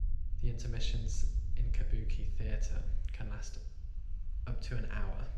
The intermissions in Kabuki theatre can last up to an hour.